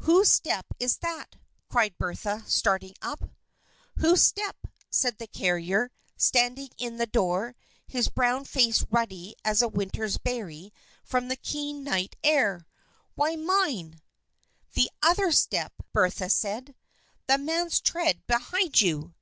"Whose step is that?" cried Bertha, starting up. "'Whose step'?" said the carrier, standing in the door, his brown face ruddy as a winter berry from the keen night air. "Why, mine." "The other step," Bertha said. "The man's tread behind you!"